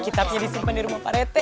kita bisa disimpen di rumah parete